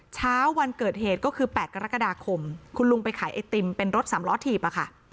เช้าวันเกิดเหตุก็คือ๘กรกฎาคมคุณลุงไปขายไอติมเป็นรถสามล้อถีบอะค่ะ